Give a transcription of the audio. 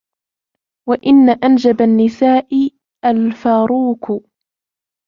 وَإِنَّ أَنْجَبَ النِّسَاءِ الْفَرُوكُ